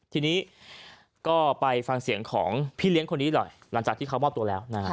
ทีนี้ก็ไปฟังเสียงของพี่เลี้ยงคนนี้หน่อยหลังจากที่เขามอบตัวแล้วนะฮะ